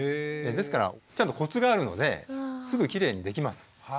ですからちゃんとコツがあるのですぐきれいにできます。